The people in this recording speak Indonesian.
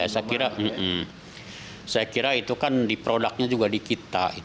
saya kira itu kan diproduknya juga di kita